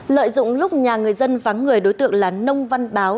lợi dụng lúc nhà người dân vắng người đối tượng là nông văn báo